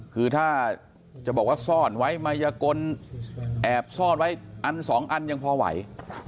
คือถ้าจะบอกว่าซ่อนไว้มายกลแอบซ่อนไว้อันสองอันยังพอไหว